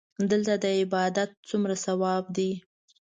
دلته د عبادت څومره ثواب دی.